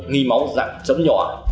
nghi máu dạng chấm nhỏ